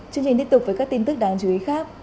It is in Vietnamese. chương trình tiếp tục với các tin tức đáng chú ý khác